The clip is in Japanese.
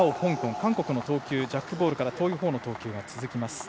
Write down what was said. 韓国の投球ジャックボールから遠いほうの投球が続きます。